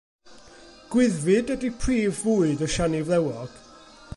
Gwyddfid ydy prif fwyd y siani flewog.